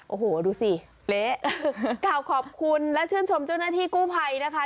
โอ้โหดูสิเละกล่าวขอบคุณและชื่นชมเจ้าหน้าที่กู้ภัยนะคะ